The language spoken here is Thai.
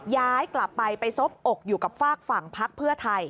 ย้ายกลับไปไปซบอกอยู่กับฝากฝั่งพักเพื่อไทย